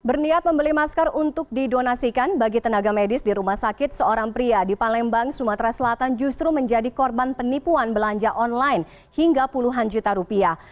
berniat membeli masker untuk didonasikan bagi tenaga medis di rumah sakit seorang pria di palembang sumatera selatan justru menjadi korban penipuan belanja online hingga puluhan juta rupiah